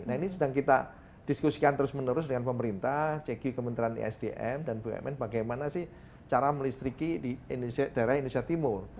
nah ini sedang kita diskusikan terus menerus dengan pemerintah cg kementerian esdm dan bumn bagaimana sih cara melistriki di daerah indonesia timur